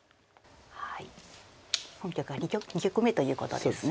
本局は２局目ということですね。